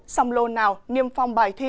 xong lô nào niêm phong bài thi